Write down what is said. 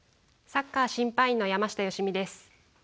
サッカー審判員の山下良美です。